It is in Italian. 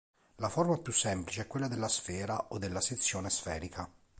La forma più semplice è quella della sfera o della sezione sferica.